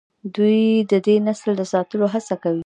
دوی د دې نسل د ساتلو هڅه کوي.